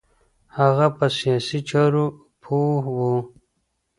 هغه په سیاسی چارو پوه و